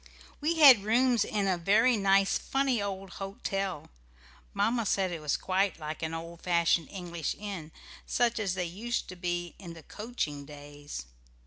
We had rooms in a very nice funny old hotel. Mamma said it was quite like an old fashioned English inn, such as they used to be in the coaching days.